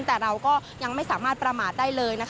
แต่เราก็ยังไม่สามารถประมาทได้เลยนะคะ